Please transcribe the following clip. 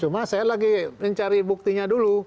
cuma saya lagi mencari buktinya dulu